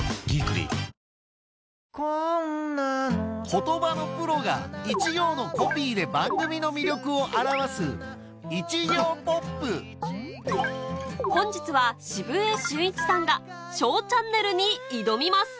言葉のプロが一行のコピーで番組の魅力を表す本日は澁江俊一さんが『ＳＨＯＷチャンネル』に挑みます